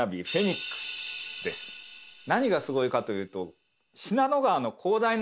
何がすごいかというと。